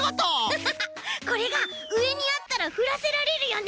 これがうえにあったらふらせられるよね。